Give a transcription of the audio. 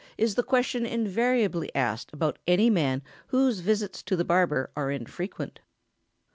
is the question invariably asked about any man whose visits to the barber are infrequent.